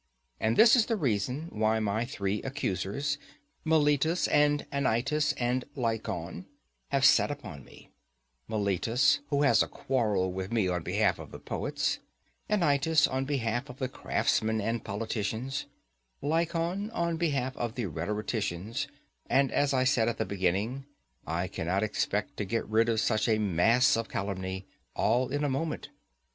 And this is the reason why my three accusers, Meletus and Anytus and Lycon, have set upon me; Meletus, who has a quarrel with me on behalf of the poets; Anytus, on behalf of the craftsmen and politicians; Lycon, on behalf of the rhetoricians: and as I said at the beginning, I cannot expect to get rid of such a mass of calumny all in a moment.